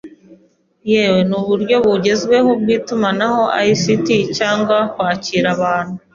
yewe n’uburyo bugezweho bw’itumanaho (ICT) cyangwa kwakira abantu